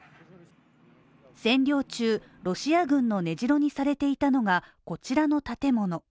占領中、ロシア軍の根城にされていたのがこちらの建物。